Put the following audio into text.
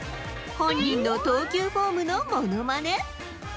本人の投球フォームのモノマネ。